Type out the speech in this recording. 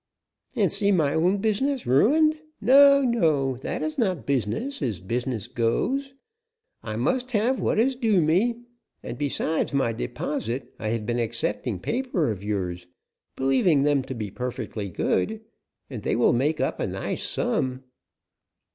"And see my own business ruined. No, no; that is not business, as business goes. I must have what is due me; and, besides my deposit I have been accepting papers of yours, believing them to be perfectly good, and they will make up a nice sum."